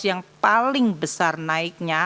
yang paling besar naiknya